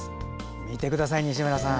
見てください、西村さん。